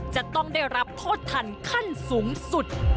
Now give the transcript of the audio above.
จะต้องได้รับโทษทันขั้นสูงสุด